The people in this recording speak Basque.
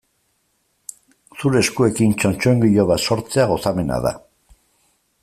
Zure eskuekin txotxongilo bat sortzea gozamena da.